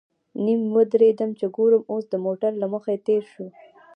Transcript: نیم ودرېدم چې ګورم اوښ د موټر له مخې تېر شو.